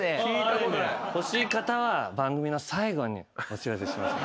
欲しい方は番組の最後にお知らせします。